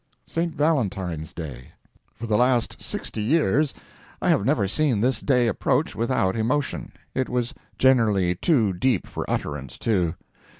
St. Valentine's Day. For the last sixty years I have never seen this day approach without emotion. It was generally too deep for utterance, too.